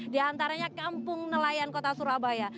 di antaranya kampung nelayan kota surabaya